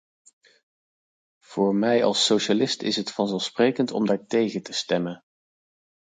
Voor mij als socialist is het vanzelfsprekend om daartegen te stemmen.